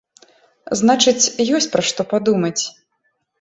Значыць, ёсць пра што падумаць.